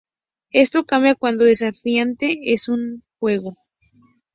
Estos cambian cuán desafiante es un juego.